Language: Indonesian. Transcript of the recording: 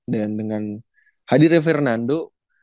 dan dengan hadirnya fernando